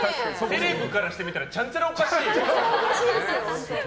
セレブからしてみたらちゃんちゃらおかしいよ。